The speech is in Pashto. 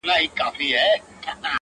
زما ونه له تا غواړي راته!